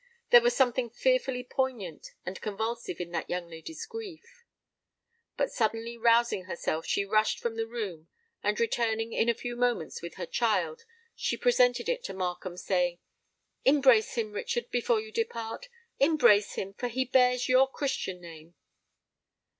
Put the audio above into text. There was something fearfully poignant and convulsive in that young lady's grief. But suddenly rousing herself, she rushed from the room; and, returning in a few moments with her child, she presented it to Markham, saying "Embrace him, Richard, before you depart;—embrace him—for he bears your Christian name!"